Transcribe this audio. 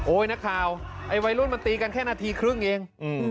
นักข่าวไอ้วัยรุ่นมันตีกันแค่นาทีครึ่งเอง